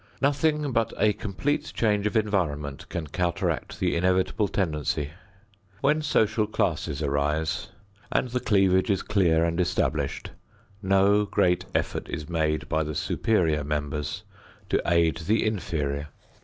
Nothing but a complete change of environment can counteract the inevitable tendency. When social classes arise and the cleavage is clear and established, no great effort is made by the superior members to aid the inferior.